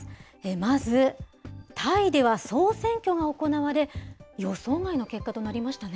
まず、タイでは総選挙が行われ、予想外の結果となりましたね。